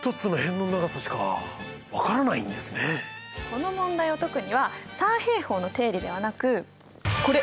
この問題を解くには三平方の定理ではなくこれ！